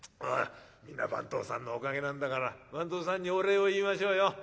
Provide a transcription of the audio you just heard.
みんな番頭さんのおかげなんだから番頭さんにお礼を言いましょうよ。